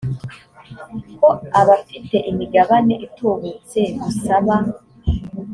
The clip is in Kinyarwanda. ko abafite imigabane itubutse b usaba